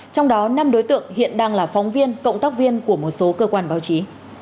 trong đó năm đối tượng hiện đang là phóng viên cộng tác viên của một số cơ quan báo chí